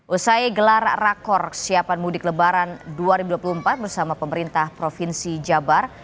usai gelar rakor siapan mudik lebaran dua ribu dua puluh empat bersama pemerintah provinsi jabar